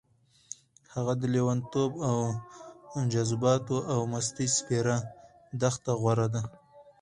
هغه د لېونتوب او جذباتو او مستۍ سپېره دښته غوره ده.